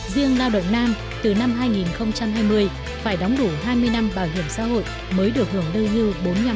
riêng lao động nam từ năm hai nghìn hai mươi phải đóng đủ hai mươi năm bảo hiểm xã hội mới được hưởng lương hưu bốn mươi năm